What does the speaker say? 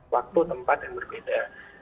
waktu tempat yang berbeda